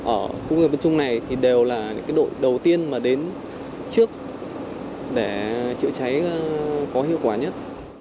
ở khu vực vân trung này thì đều là đội đầu tiên mà đến trước để chứa cháy có hiệu quả nhất